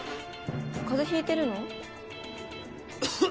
風邪引いてるの？